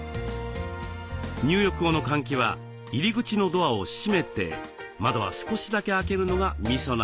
入浴後の換気は入り口のドアを閉めて窓は少しだけ開けるのがミソなんです。